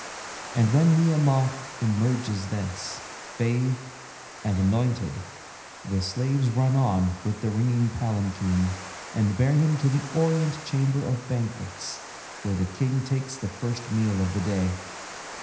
And when Nehemoth emerges thence, bathed and anointed, the slaves run on with their ringing palanquin and bear him to the Orient Chamber of Banquets, where the King takes the first meal of the day.